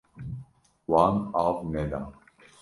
Wan av neda.